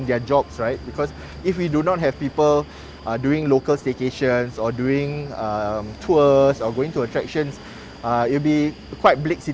dan juga bisa melalui pemasanannya melalui platform booking online